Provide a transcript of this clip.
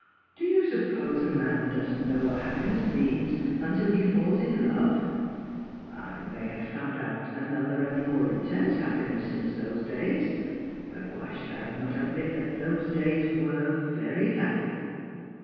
Do you suppose a man does not know what happiness means until he falls in love 1 I may have found out another and more intense happiness since those days, but why should I not admit that those days were very happy